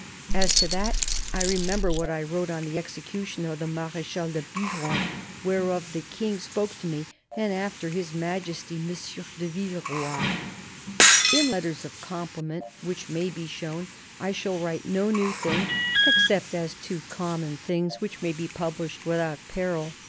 As to that, 1 remember what I wrote on the execution of the Marechal de Biron, whereof the King spoke to me, and after His Majesty Monsieur de Villeroy. .." In letters of compliment which may be shown, I shall write no new thing and no opinion except as to common things which may be published without peril.